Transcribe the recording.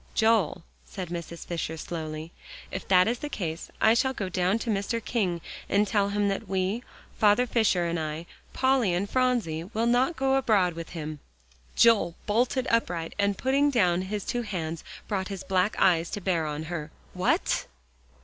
"Joel," said Mrs. Fisher slowly, "if that is the case, I shall go down to Mr. King and tell him that we, Father Fisher and I, Polly and Phronsie, will not go abroad with him." Joel bolted upright and, putting down his two hands, brought his black eyes to bear on her. "What?"